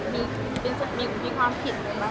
มีความผิดอะไรบ้าง